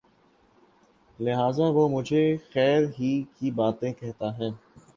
لہٰذا وہ مجھے خیر ہی کی باتیں کہتا ہے